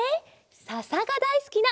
ささがだいすきな